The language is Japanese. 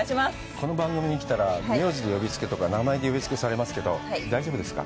この番組に来たら名字で呼びつけとか、名前で呼びつけしますけど、大丈夫ですか。